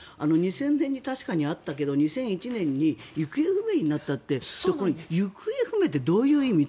２０００年に確かにあったけど２００１年に行方不明になったってこれ行方不明ってどういう意味？